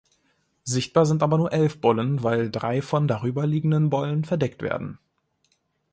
Sichtbar sind aber nur elf Bollen, weil drei von darüberliegenden Bollen verdeckt werden.